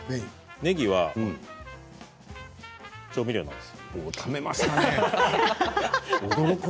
ねぎは調味料なんです。